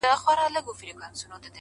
پښتنو انجونو کي حوري پيدا کيږي!